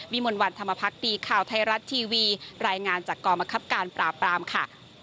มนต์วันธรรมพักดีข่าวไทยรัฐทีวีรายงานจากกรมคับการปราบปรามค่ะ